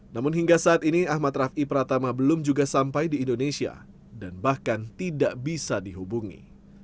namun hingga saat ini ahmad rafi pratama belum juga sampai di indonesia dan bahkan tidak bisa dihubungi